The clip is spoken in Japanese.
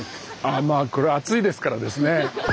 まあこれ熱いですからですね。